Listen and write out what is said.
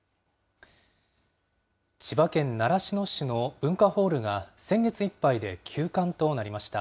千葉県習志野市の文化ホールが、先月いっぱいで休館となりま